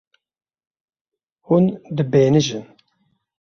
Hûn dibêhnijin.